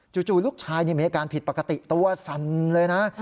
จู่ลูกชายมีอาการผิดปกติตัวสั่นเลยนะ